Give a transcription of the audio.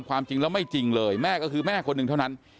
ความจริงแล้วไม่จริงเลยแม่ก็คือแม่คนหนึ่งเท่านั้น